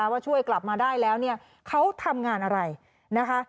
ว่าช่วยกลับมาได้แล้วเนี่ยเขาทำงานอะไรนะคะ